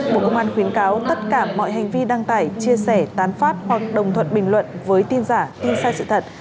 bộ công an khuyến cáo tất cả mọi hành vi đăng tải chia sẻ tán phát hoặc đồng thuận bình luận với tin giả tin sai sự thật